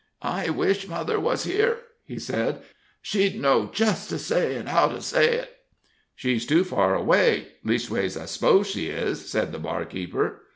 "I wish mother was here!" he said. "She'd know just to say and how to say it." "She's too far away; leastways, I suppose she is," said the barkeeper.